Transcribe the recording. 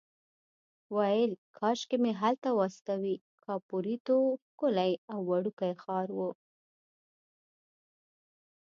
ویل کاشکې مې هلته واستوي، کاپوریتو ښکلی او وړوکی ښار و.